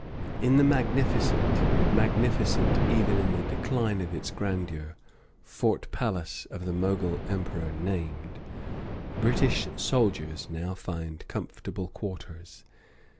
In the magnificent magnificent even in the decline of its grandeur fort palace of the Mogul Emperor named, British soldiers now find comfortable quarters.